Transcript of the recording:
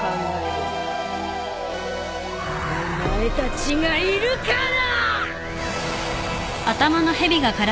お前たちがいるから！